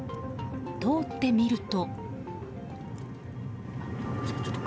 通ってみると。